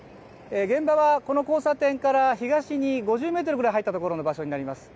現場はこの交差点から東に５０メートルぐらい入ったところの場所になります。